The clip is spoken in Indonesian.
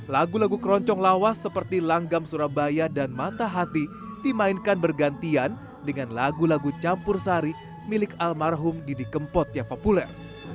lagu lagu keroncong lawas seperti langgam surabaya dan mata hati dimainkan bergantian dengan lagu lagu campur sari milik almarhum didi kempot yang populer